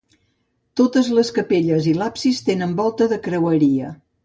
Totes les capelles i l'absis tenen volta de creueria.